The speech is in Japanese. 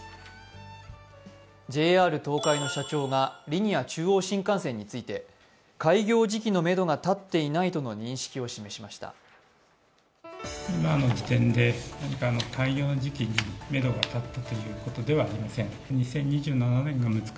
ＪＲ東海の社長がリニア中央新幹線について、開業時期のめどが立っていないとの認識を示しました。